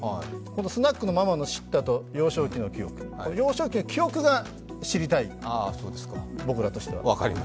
スナックのママの叱咤と幼少期の記憶、幼少期の記憶が知りたい、僕らとしては。